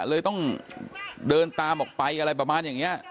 เลยต้องเดินตามออกไปอะไรประมาณอย่างนี้